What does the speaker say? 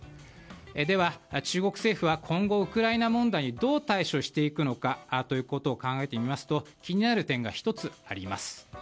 では中国政府は今後ウクライナ問題にどう対処していくのかということを考えてみますと気になる点が１つあります。